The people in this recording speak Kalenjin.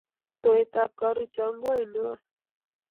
Towet ab karuchan ko nono any